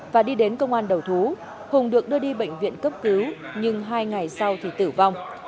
và đi đến công an đầu thú hùng được đưa đi bệnh viện cấp cứu nhưng hai ngày sau thì tử vong